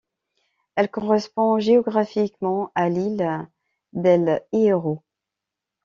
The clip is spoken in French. Elle correspond géographiquement à l'île d'El Hierro.